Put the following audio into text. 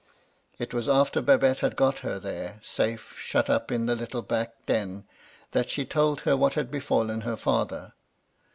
It was after Babette had got her there, safe shut up in the little back den, that she told her what had befallen her father.